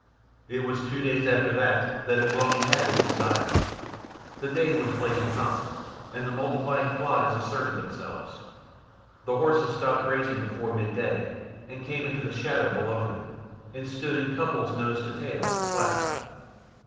It was two days after that that Ugh lomi had his desire. The day was blazing hot, and the multiplying flies asserted themselves. The horses stopped grazing before midday, and came into the shadow below him, and stood in couples nose to tail, flapping.